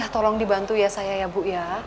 tolong dibantu ya saya ya bu ya